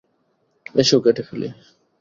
এসো, কেটে ফেলি।